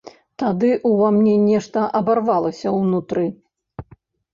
Тады ўва мне нешта абарвалася ўнутры.